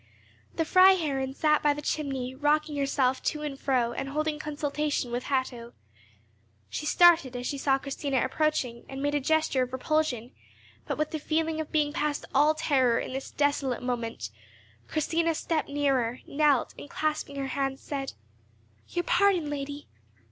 The Freiherrinn sat by the chimney, rocking herself to and fro, and holding consultation with Hatto. She started as she saw Christina approaching, and made a gesture of repulsion; but, with the feeling of being past all terror in this desolate moment, Christina stepped nearer, knelt, and, clasping her hands, said, "Your pardon, lady."